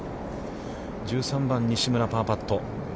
１３番、西村、パーパット。